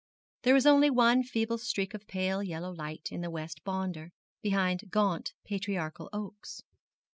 There was only one feeble streak of pale yellow light in the west yonder, behind gaunt patriarchal oaks.